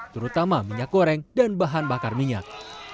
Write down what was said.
terutama minyak goreng dan bahan bakar minyak